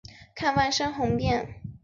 我又做了让你不高兴的事吗